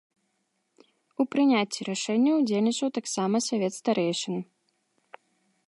У прыняцці рашэнняў удзельнічаў таксама савет старэйшын.